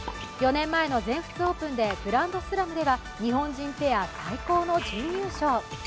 ４年前の全仏オープンでグランドスラムでは日本人ペア最高の準優勝。